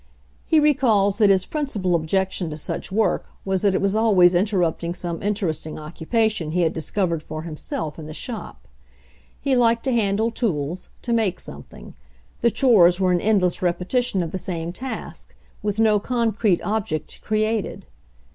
He recalls that his principal objection to such work was that it was always interrupting some inter esting occupation he had discovered for himself in the shop. He liked to handle tools, to make something. The chores were an endless repeti tion of the same task, with no concrete object created.